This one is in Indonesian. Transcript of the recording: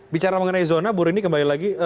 bicara mengenai zona bu rini kembali lagi